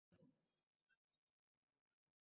আমি অফিসে বলেছি।